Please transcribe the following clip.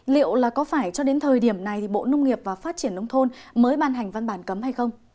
liệu là có phải cho đến thời điểm này thì bộ nông nghiệp và phát triển nông thôn mới ban hành văn bản cấm hay không